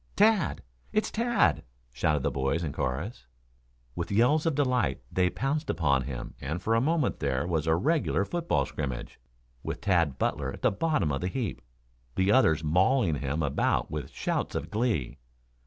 "Tad! It's Tad!" shouted the boys in chorus. With yells of delight they pounced upon him and for a moment there was a regular football scrimmage, with Tad Butler at the bottom of the heap, the others mauling him about with shouts of glee.